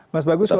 mas bagus kalau